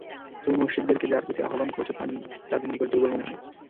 তুমি মুশরিকদেরকে যার প্রতি আহবান করছ তা তাদের নিকট দুর্বল মনে হয়।